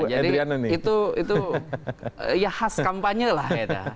jadi itu ya khas kampanye lah